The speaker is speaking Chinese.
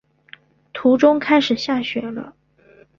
途中开始下雪了